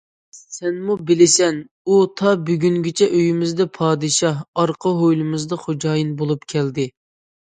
سەنمۇ بىلىسەن، ئۇ تا بۈگۈنگىچە ئۆيىمىزدە پادىشاھ، ئارقا ھويلىمىزدا خوجايىن بولۇپ كەلدى.